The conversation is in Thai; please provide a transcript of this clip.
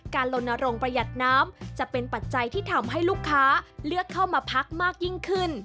ลนโรงประหยัดน้ำจะเป็นปัจจัยที่ทำให้ลูกค้าเลือกเข้ามาพักมากยิ่งขึ้น